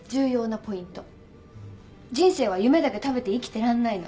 人生は夢だけ食べて生きてらんないの。